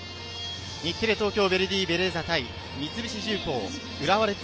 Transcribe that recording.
日テレ・東京ヴェルディベレーザ対三菱重工浦和レッズ